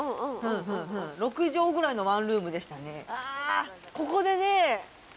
６帖ぐらいのワンルームでしたね。